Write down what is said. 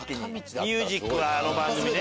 ミュージックはあの番組ね。